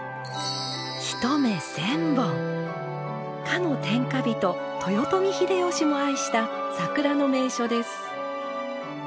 かの天下人豊臣秀吉も愛した桜の名所です。